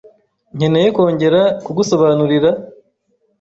Nkeneye kongera kugusobanurira?